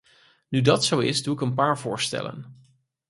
Nu dat zo is, doe ik een paar voorstellen.